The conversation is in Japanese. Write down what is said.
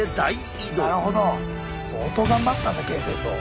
相当頑張ったんだ形成層。